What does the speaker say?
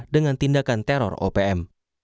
dengan tindakan teror opm